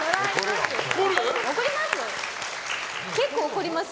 怒ります！